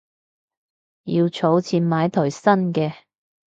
要儲錢買台新嘅